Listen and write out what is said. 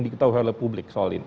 diketahui oleh publik soal ini